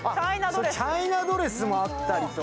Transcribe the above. チャイナドレスもあったりとか。